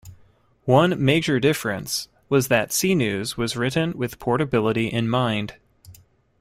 One major difference was that C News was written with portability in mind.